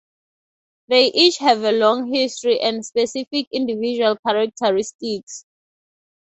They each have a long history and specific individual characteristics.